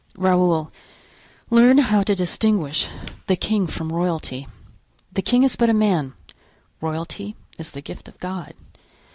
Raoul, learn how to distinguish the king from royalty; the king is but a man; royalty is the gift of God.